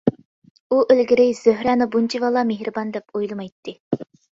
ئۇ ئىلگىرى زۆھرەنى بۇنچىۋالا مېھرىبان دەپ ئويلىمايتتى.